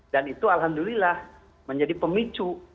dan itu alhamdulillah menjadi pemicu